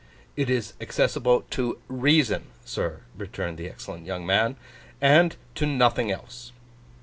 'It is accessible to Reason, sir,' returned the excellent young man. 'And to nothing else.